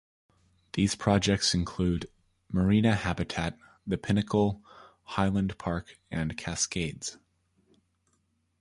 These projects include: Marina Habitat, The Pinnacle, Highland Park and Cascades.